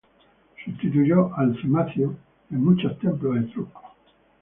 Sustituyó al cimacio en muchos templos etruscos.